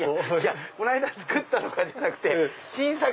「この間作ったのは」じゃなくて新作。